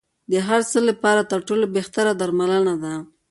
د هر څه لپاره تر ټولو بهتره درملنه ده.